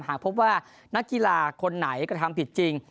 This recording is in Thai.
หากพบว่านักกีฬาคนไหนกระทำผิดจริง